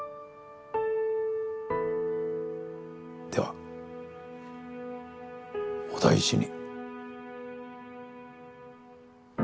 ではお大事に。